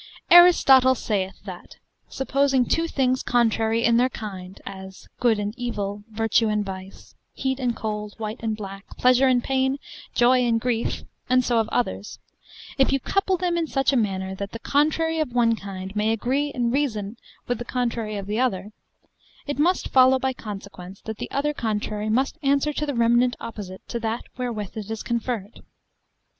Aristotle saith that, supposing two things contrary in their kind, as good and evil, virtue and vice, heat and cold, white and black, pleasure and pain, joy and grief, and so of others, if you couple them in such manner that the contrary of one kind may agree in reason with the contrary of the other, it must follow by consequence that the other contrary must answer to the remanent opposite to that wherewith it is conferred.